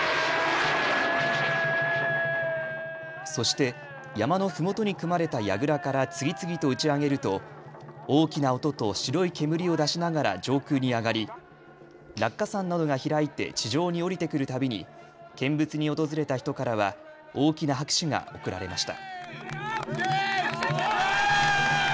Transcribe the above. そして山のふもとに組まれたやぐらから次々と打ち上げると大きな音と白い煙を出しながら上空に上がり落下傘などが開いて地上に降りてくるたびに見物に訪れた人からは大きな拍手が送られました。